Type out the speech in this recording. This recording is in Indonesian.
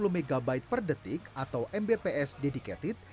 enam puluh mb per detik atau mbps dedicated